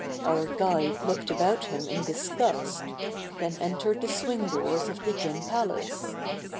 Our guide looked about him in disgust, then entered the swing doors of the gin palace.